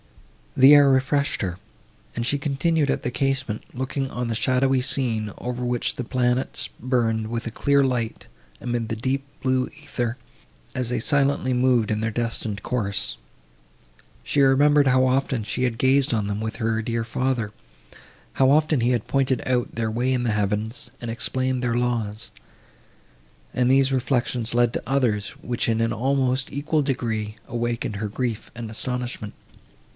The air refreshed her, and she continued at the casement, looking on the shadowy scene, over which the planets burned with a clear light, amid the deep blue æther, as they silently moved in their destined course. She remembered how often she had gazed on them with her dear father, how often he had pointed out their way in the heavens, and explained their laws; and these reflections led to others, which, in an almost equal degree, awakened her grief and astonishment.